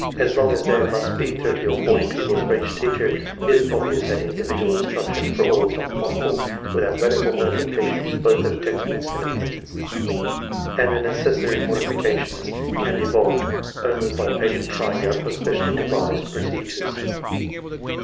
As long as there must be ' thirty or forty pupils for each teacher, it is obvious that individual instruction for all is not possible without radical modification both of textbooks and of methods, and the necessary modifications can be evolved only by patient trying out of specially devised procedures.